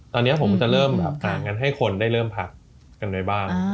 ตอนนี้ผมจะเริ่มงั้นให้คนได้เริ่มพักกันไว้บ้าง